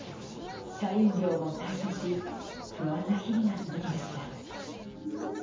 社員寮も退所し、不安な日々が続きました。